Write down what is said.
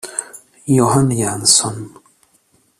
Johan Jansson